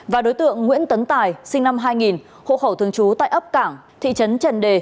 và đối tượng nguyễn tấn tài sinh năm hai nghìn hộ khẩu thường trú tại ấp cảng thị trấn trần đề